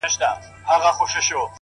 لوړ فکر د نوښتونو دروازه پرانیزي،